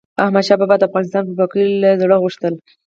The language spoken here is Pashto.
احمدشاه بابا به د افغانستان خپلواکي له زړه غوښتله.